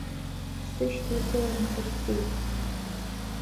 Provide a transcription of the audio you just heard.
Сышьҭа ихылан исыхьӡеит.